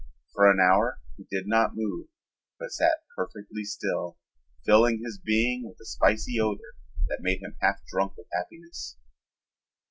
For an hour he did not move but sat perfectly still, filling his being with the spicy odor that made him half drunk with happiness.